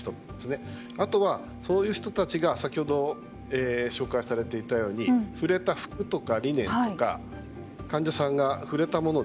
あとは、そういう人たちが先ほど紹介されていたように触れた服とかリネンとか患者さんが触れたもの